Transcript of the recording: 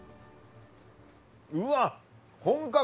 うわっ！